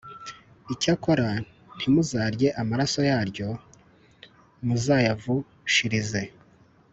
Icyakora ntimuzarye amaraso yaryo d Muzayavushirize